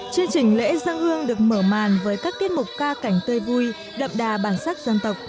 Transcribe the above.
chương trình lễ dân hương được mở màn với các tiết mục ca cảnh tươi vui đậm đà bản sắc dân tộc